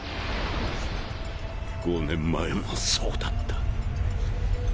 ５年前もそうだった。